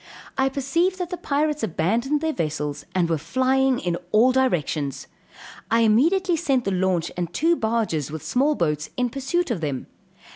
I perceived that the pirates abandoned their vessels, and were flying in all directions. I immediately sent the launch and two barges with small boats in pursuit of them.